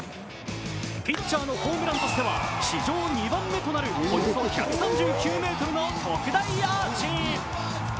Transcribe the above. ピッチャーのホームランとしては史上２番目となるおよそ１３９ｍの特大アーチ。